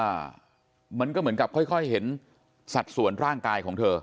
อ่ามันก็เหมือนกับค่อยค่อยเห็นสัดส่วนร่างกายของเธอ